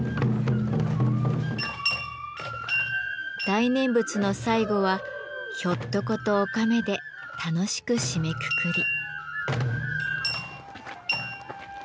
大念仏の最後はひょっとことおかめで楽しく締めくくり。